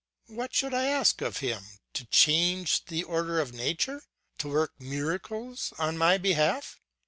What should I ask of him to change the order of nature, to work miracles on my behalf?